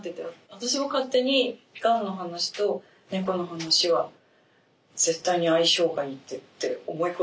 私も勝手にがんの話と猫の話は絶対に相性がいいって思い込んでた。